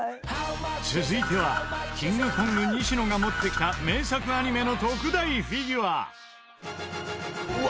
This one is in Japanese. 続いてはキングコング西野が持ってきた名作アニメの特大フィギュア。